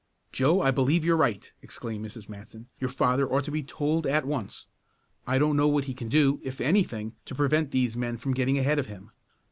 "Joe, I believe you're right!" exclaimed Mrs. Matson. "Your father ought to be told at once. I don't know what he can do if anything to prevent these men getting ahead of him.